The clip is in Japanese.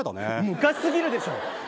昔すぎるでしょ！